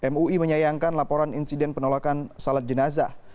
mui menyayangkan laporan insiden penolakan salat jenazah